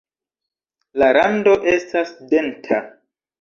La rando estas denta.